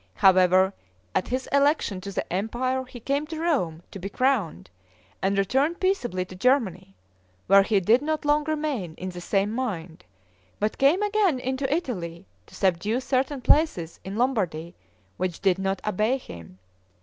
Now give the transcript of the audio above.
However, at his election to the empire he came to Rome to be crowned, and returned peaceably to Germany, where he did not long remain in the same mind, but came again into Italy to subdue certain places in Lombardy, which did not obey him.